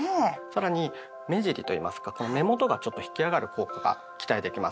更に目尻といいますか目元がちょっと引き上がる効果が期待できます。